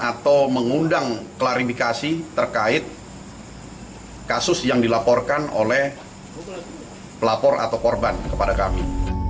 atau mengundang klarifikasi terkait kasus yang dilaporkan oleh pelapor atau korban kepada kami